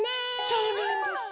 そうなんです。